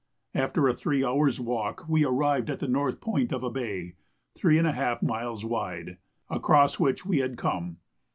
After a three hours' walk we arrived at the north point of a bay, three and a half miles wide, across which we had come.